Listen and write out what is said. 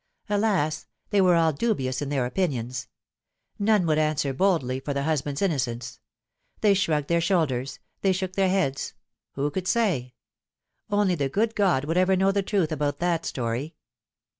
Alas ! they were all dubious in their opinions. None would answer boldly for the husband's innocence. They shrugged their shoulders they shook their heads. Who could say ? Only the good God would ever know the truth about that story.